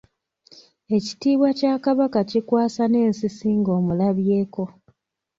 Ekitiibwa kya Kabaka kikwasa n’ensisi ng’omulabyeko.